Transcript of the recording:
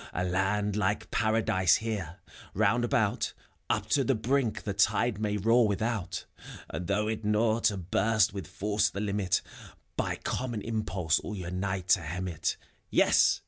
A land like Paradise here, round about: Up to the brink the tide may roar without, And though it gnaw, to burst with force the limit, ^By common impulse all unite to hem it. Yes